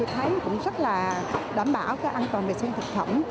thấy cũng rất là đảm bảo cái an toàn vệ sinh thực phẩm